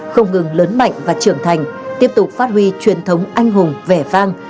không ngừng lớn mạnh và trưởng thành tiếp tục phát huy truyền thống anh hùng vẻ vang